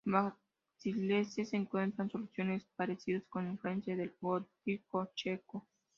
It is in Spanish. En Baja Silesia se encuentran soluciones parecidas, con influencias del Gótico checo.